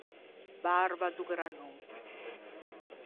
Barba do granon.